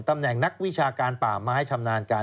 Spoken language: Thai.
ตำแหน่งนักวิชาการป่าไม้ชำนาญการ